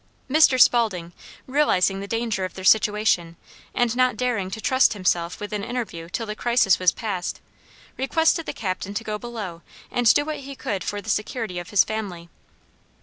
Mr. Spalding, realizing the danger of their situation, and not daring to trust himself with an interview till the crisis was past, requested the captain to go below and do what he could for the security of his family.